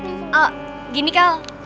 oh gini kal